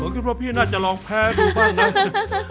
ดีมะอะพี่น่าจะโรงแพ้พี่ฟังนะฮ๊าแฮแฮ